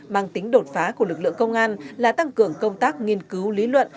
mang tính đột phá của lực lượng công an là tăng cường công tác nghiên cứu lý luận